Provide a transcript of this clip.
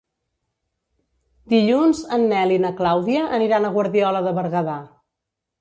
Dilluns en Nel i na Clàudia aniran a Guardiola de Berguedà.